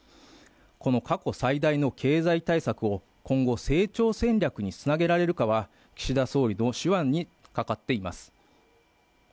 この過去最大の経済対策を今後、成長戦略につなげられるかは岸田総理の手腕にかかっています。